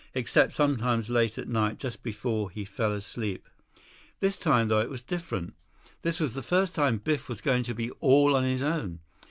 Except sometimes late at night, just before he fell asleep. This time, though, it was different. This was the first time Biff was going to be all on his own.